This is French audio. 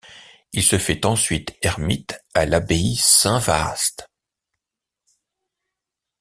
Il se fait ensuite ermite à l'abbaye Saint-Vaast.